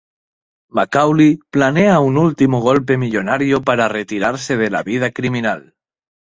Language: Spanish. McCauley planea un último golpe millonario para retirarse de la vida criminal.